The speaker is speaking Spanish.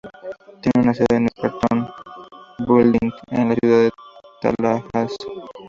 Tiene su sede en el "Carlton Building" en la ciudad de Tallahassee.